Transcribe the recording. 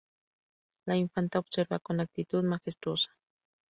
La infanta observa con actitud majestuosa.